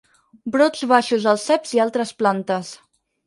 Brots baixos dels ceps i altres plantes.